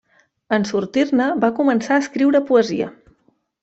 En sortir-ne, va començar a escriure poesia.